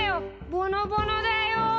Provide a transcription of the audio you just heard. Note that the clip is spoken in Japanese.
ぼのぼのだよ